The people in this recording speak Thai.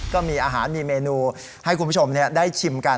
ก็มีอาหารมีเมนูให้คุณผู้ชมได้ชิมกัน